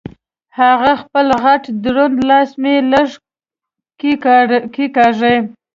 هغه خپل غټ دروند لاس مې لږه کېګاږه.